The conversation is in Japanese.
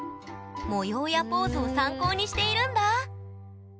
模様やポーズを参考にしているんだ。